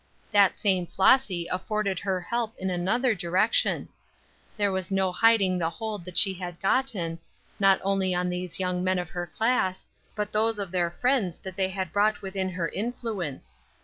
That same Flossy afforded her help in another direction. There was no hiding the hold that she had gotten, not only on those young men of her class, but those of their friends that they had brought within her influence.